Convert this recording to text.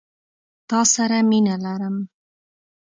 تا سره مينه لرم